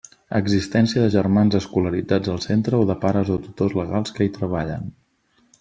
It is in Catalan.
Existència de germans escolaritzats al centre o de pares o tutors legals que hi treballen.